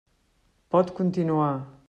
Pot continuar.